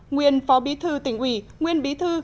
nguyên phó bí thư tỉnh ủy nguyên bí thư